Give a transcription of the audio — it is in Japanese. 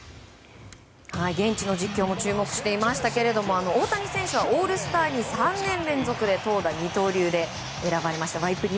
現地の実況も注目していましたけれども大谷選手はオールスターに３年連続で投打二刀流で選ばれました。